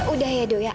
udah ya dok ya